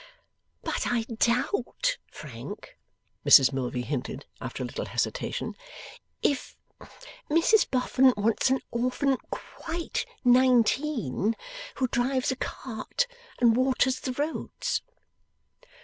'But I DOUBT, Frank,' Mrs Milvey hinted, after a little hesitation, 'if Mrs Boffin wants an orphan QUITE nineteen, who drives a cart and waters the roads.